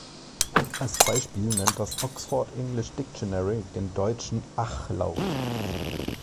Als Beispiel nennt das Oxford English Dictionary den deutschen Ach-Laut.